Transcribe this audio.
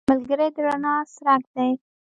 ملګری د رڼا څرک دی